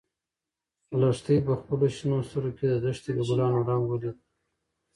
لښتې په خپلو شنه سترګو کې د دښتې د ګلانو رنګ ولید.